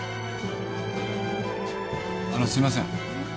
あのすいません。